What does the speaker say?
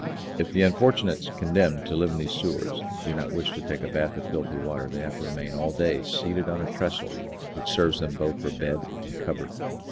If the unfortunates condemned to live in these sewers do not wish to take a bath of filthy water, they have to remain all day seated on a trestle, which serves them both for bed and cupboard.